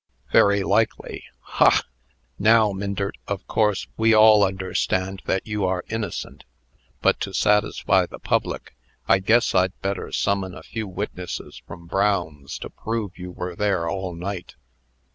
"Very likely. Ha! Now, Myndert, of course we all understand that you are innocent; but, to satisfy the public, I guess I'd better summon a few witnesses from Brown's, to prove you were there all night."